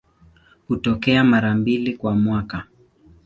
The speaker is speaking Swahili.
Hutokea mara mbili kwa mwaka.